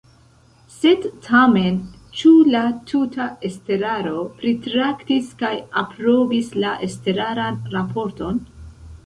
Sed tamen, ĉu la tuta estraro pritraktis kaj aprobis la estraran raporton?